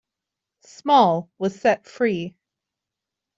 Small was set free.